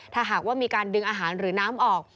ถ้าหากว่ามีการดึงอาหารหรือน้ำออก